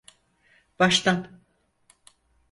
Baştan.